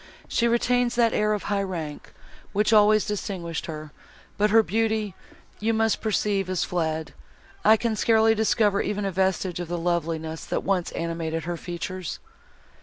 She retains that air of high rank, which always distinguished her, but her beauty, you must perceive, is fled; I can scarcely discover even a vestige of the loveliness, that once animated her features."